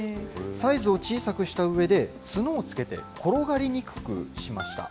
サイズを小さくしたうえで、角をつけて転がりにくくしました。